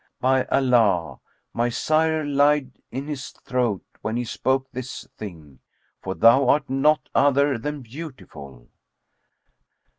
By Allah, my sire lied in his throat when he spoke this thing, for thou art not other than beautiful."